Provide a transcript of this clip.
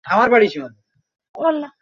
Degree শাখা চালু আছে।